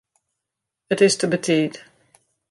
It is te betiid.